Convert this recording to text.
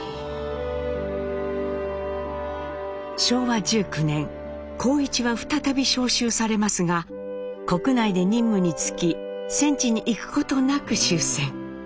昭和１９年幸一は再び召集されますが国内で任務に就き戦地に行くことなく終戦。